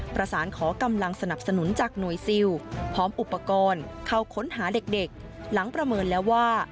ประสานขอกำลังสนับสนุนจากหน่วยซิลพร้อมอุปกรณ์เข้าค้นหาเด็กหลังประเมินแล้วว่า